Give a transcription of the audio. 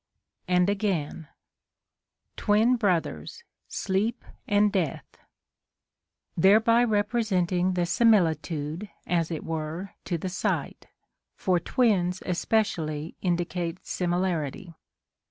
— And again, — Twin brothers, Sleep and Death, — thereby representing the similitude (as it were) to the sight, for twins especially indicate similarity.